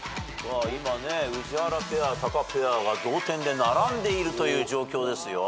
今宇治原ペアタカペアが同点で並んでいるという状況ですよ。